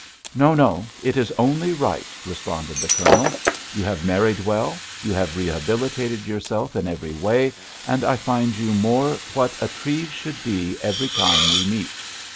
"No, no, it is only right," responded the Colonel. "You have married well. You have rehabilitated yourself in every way, and I find you more what a Treves should be every time we meet."